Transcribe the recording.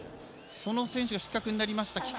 その選手が失格になりました。